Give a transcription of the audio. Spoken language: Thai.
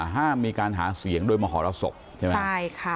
ห้ามมีการหาเสียงโดยมหรสบใช่ไหมใช่ค่ะ